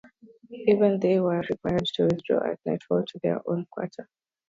Even then they were required to withdraw at nightfall to their own quarter.